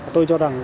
tôi cho rằng